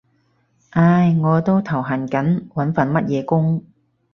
唉，我都頭痕緊揾份乜嘢工